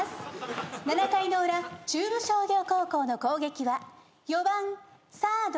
７回の裏中部商業高校の攻撃は４番サード。